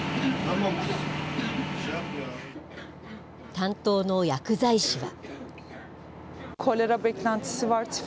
担当の薬剤師は。